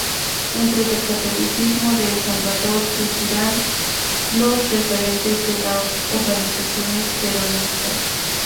Dentro del catolicismo de El Salvador, surgirán los referentes de las organizaciones peronistas.